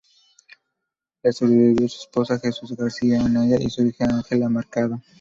Le sobrevivió su esposa Jesús García Anaya y su hija Ángela Mercado.